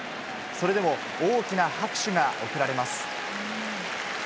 それでも、大きな拍手が送られます。